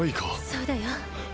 そうだよ。